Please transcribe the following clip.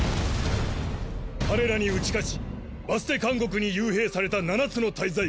彼らに打ち勝ちバステ監獄に幽閉された七つの大罪